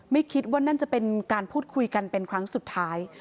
ไม่คิดว่านั่นจะเป็นการพูดคุยกันเป็นครั้งสุดท้าย